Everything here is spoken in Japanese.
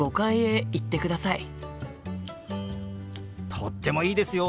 とってもいいですよ！